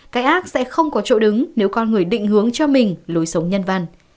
cái ác sẽ không có chỗ đứng nếu con người định hướng cho mình lối sống nhân văn